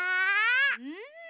うん。